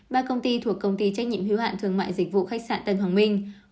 ba công ty thuộc công ty trách nhiệm hiếu hạn thương mại dịch vụ khách sạn tân hoàng minh